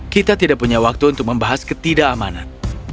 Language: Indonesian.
kita tidak punya waktu untuk membahas ketidakamanan